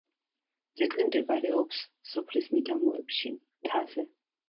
ძეგლი მდებარეობს სოფლის მიდამოებში, მთაზე.